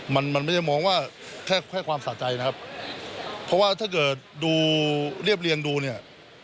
มันมันไม่ได้มองว่าแค่แค่ความสะใจนะครับเพราะว่าถ้าเกิดดูเรียบเรียงดูเนี่ย